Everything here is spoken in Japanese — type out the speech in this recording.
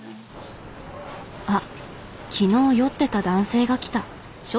あっ昨日酔ってた男性が来た。